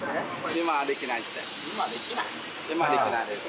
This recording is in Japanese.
今できないです